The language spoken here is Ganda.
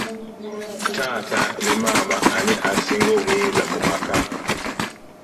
Taata ne maama ani asinga obuyinza mu maka?